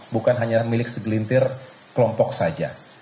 bukan hanya milik segelintir kelompok saja